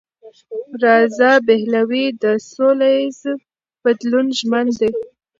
رضا پهلوي د سولهییز بدلون ژمن دی.